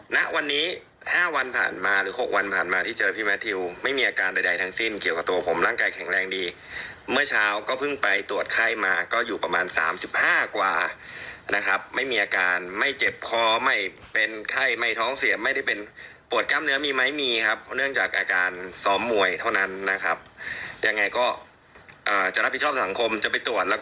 ณวันนี้๕วันผ่านมาหรือ๖วันผ่านมาที่เจอพี่แมททิวไม่มีอาการใดทั้งสิ้นเกี่ยวกับตัวผมร่างกายแข็งแรงดีเมื่อเช้าก็เพิ่งไปตรวจไข้มาก็อยู่ประมาณสามสิบห้ากว่านะครับไม่มีอาการไม่เจ็บคอไม่เป็นไข้ไม่ท้องเสียไม่ได้เป็นปวดกล้ามเนื้อมีไหมมีครับเนื่องจากอาการซ้อมมวยเท่านั้นนะครับยังไงก็จะรับผิดชอบสังคมจะไปตรวจแล้วก็